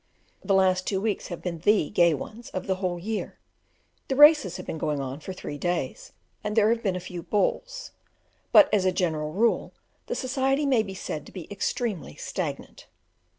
The last two weeks have been the gay ones of the whole year; the races have been going on for three days, and there have been a few balls; but as a general rule, the society may be said to be extremely stagnant.